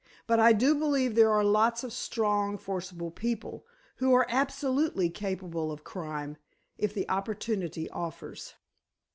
But I do believe there are lots of strong, forcible people, who are absolutely capable of crime—if the opportunity offers."